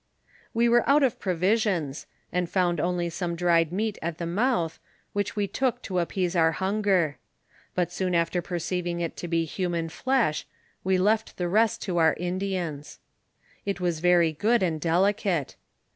We were out of provisions, and found only some dried meat at the mouth, which we took to appease our hunger ; but soon after perceiving it to be human flesh, we left the rest to our Indians. It was very good and delicate.